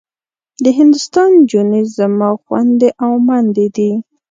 د هندوستان نجونې زما خوندي او مندي دي.